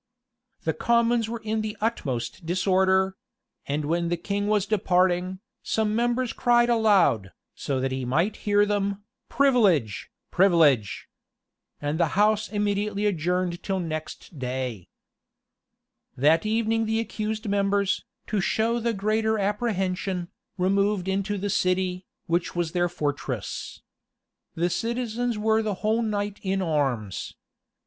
[] The commons were in the utmost disorder; and when the king was departing, some members cried aloud, so as he might hear them, "Privilege! privilege!" And the house immediately adjourned till next day.[] * Whitloeke, p. 50. Whitlocke, p. 50. May, book ii. p. 20. Whitlocke, p. 51. That evening the accused members, to show the greater apprehension, removed into the city, which was their fortress. The citizens were the whole night in arms.